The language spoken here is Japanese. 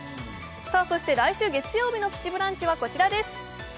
そして来週月曜日の「プチブランチ」はこちらです